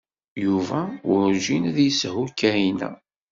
Yuba werǧin ad yeshu Kahina.